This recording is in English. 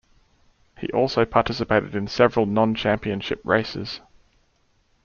He also participated in several non-championship races.